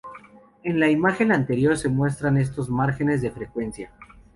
En la imagen anterior se muestran estos márgenes de frecuencia.